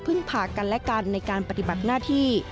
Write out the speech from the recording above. ผ่ากันและกันในการปฏิบัติหน้าที่